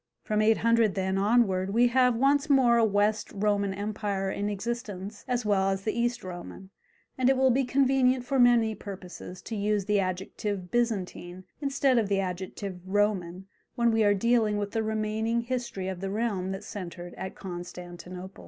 From 800, then, onward we have once more a West Roman empire in existence as well as the East Roman, and it will be convenient for many purposes to use the adjective Byzantine instead of the adjective Roman, when we are dealing with the remaining history of the realm that centred at Constantinople.